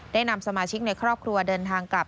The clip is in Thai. นำสมาชิกในครอบครัวเดินทางกลับ